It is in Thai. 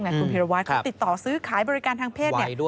คนติดต่อซื้อหาบริการทางเพศ